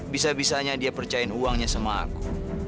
bisa bisanya dia percayain uangnya sama aku